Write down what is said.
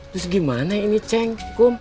terus gimana ini ceng kum